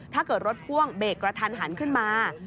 ถ้าเกิดรถพ่วงเบรกกระทันหันขึ้นมา